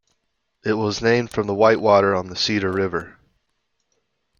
It was named from the whitewater on the Cedar River.